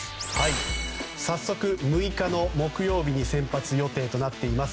早速、６日の木曜日の先発予定となっています。